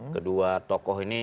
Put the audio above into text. kedua tokoh ini